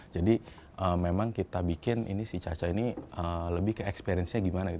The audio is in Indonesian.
jadi memang kita bikin si cacah ini lebih ke experience nya gimana